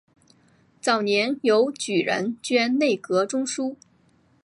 早年由举人捐内阁中书。